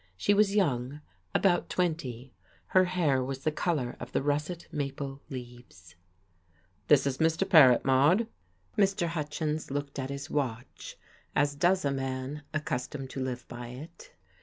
She was young, about twenty. Her hair was the colour of the russet maple leaves. "This is Mr. Paret, Maude." Mr. Hutchins looked at his watch as does a man accustomed to live by it.